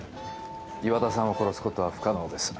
岩田さんを殺すことは不可能です。